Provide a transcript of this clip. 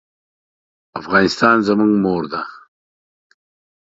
افغانستان زموږ مور ده